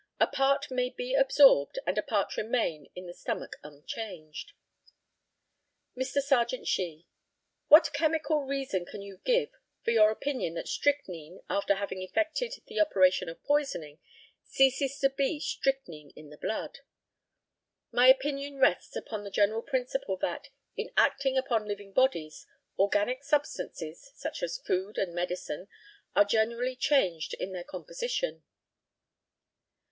A part may be absorbed and a part remain in the stomach unchanged. Mr. Serjeant SHEE: What chemical reason can you give for your opinion that strychnine, after having effected the operation of poisoning, ceases to be strychnine in the blood? My opinion rests upon the general principle that, in acting upon living bodies, organic substances such as food and medicine are generally changed in their composition.